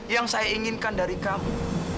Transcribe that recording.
yang saya inginkan dari kamu